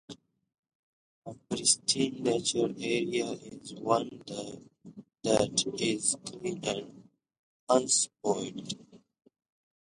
A pristine natural area is one that is clean and unspoiled.